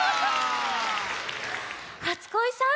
初恋さん